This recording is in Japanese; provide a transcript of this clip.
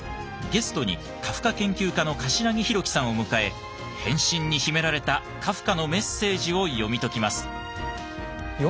ゲストにカフカ研究家の頭木弘樹さんを迎え「変身」に秘められたカフカのメッセージを読み解きます。